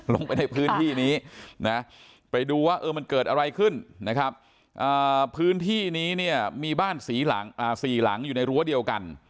ลงไปในพื้นที่นี้ไปดูว่ามันเกิดอะไรขึ้นพื้นที่นี้มีบ้านสี่หลังอยู่ในรั้วเดียวกัน